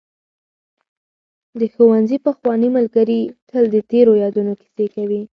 د ښوونځي پخواني ملګري تل د تېرو یادونو کیسې کوي.